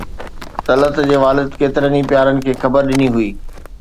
طلعت جي والد ڪيترن ئي پيارن کي خبر ڏني هئي.